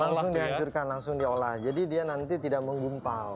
langsung dihancurkan langsung diolah jadi dia nanti tidak menggumpal